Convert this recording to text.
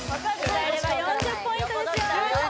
歌えれば４０ポイントですよ